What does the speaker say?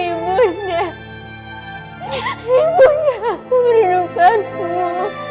ibu anda aku merindukanmu